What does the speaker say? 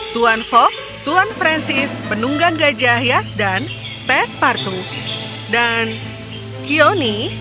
tuan fogg tuan francis penunggang gajah yasdan pes partu dan kioni